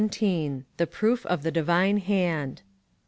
THE PROOF OF THE DIVINE HAND.